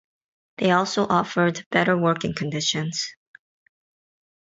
They also offered better working conditions.